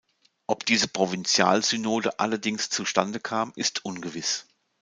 Ob diese Provinzialsynode allerdings zu Stande kam, ist ungewiss.